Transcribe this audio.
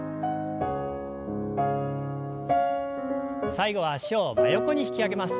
最後は脚を真横に引き上げます。